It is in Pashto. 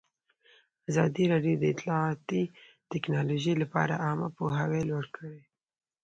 ازادي راډیو د اطلاعاتی تکنالوژي لپاره عامه پوهاوي لوړ کړی.